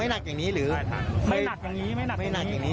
ไม่หนักอย่างนี้หรือไม่หนักอย่างนี้ไม่หนักอย่างนี้